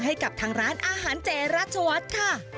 ให้กับทางร้านอาหารเจรัชวัฒน์ค่ะ